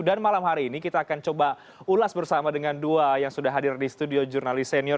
dan malam hari ini kita akan coba ulas bersama dengan dua yang sudah hadir di studio jurnalis senior